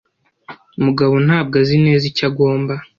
Mugabo ntabwo azi neza icyo agomba